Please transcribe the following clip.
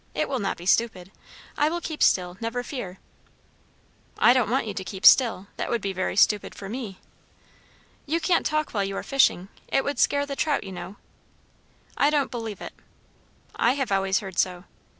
It will not be stupid. I will keep still, never fear." "I don't want you to keep still; that would be very stupid for me." "You can't talk while you are fishing; it would scare the trout, you know." "I don't believe it." "I have always heard so."